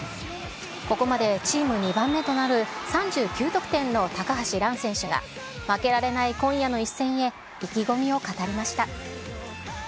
ここまでチーム２番目となる、３９得点の高橋藍選手が、負けられない今夜の一戦へ、意気込みを語りました。